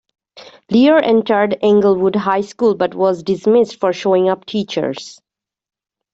Lear entered Englewood High School but was dismissed for showing up teachers.